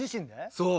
そう。